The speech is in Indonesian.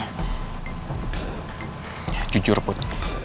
ya jujur put